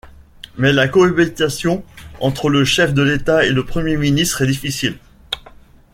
Mais la cohabitation entre le chef de l’État et le Premier ministre est difficile.